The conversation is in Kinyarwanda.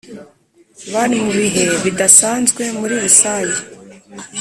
Bari mubihe bidasanzwe muri rusange